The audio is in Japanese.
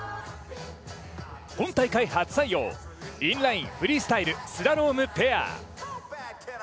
今大会初採用、インラインフリースタイルスラロームペア。